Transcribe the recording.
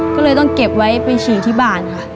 ก็เลยต้องเก็บไว้ไปฉีกที่บ้านค่ะ